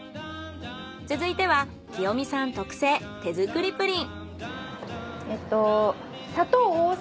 続いては清美さん特製手作りプリン。